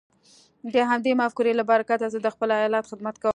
د همدې مفکورې له برکته زه د خپل ايالت خدمت کوم.